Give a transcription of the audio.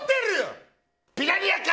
ピラニアか！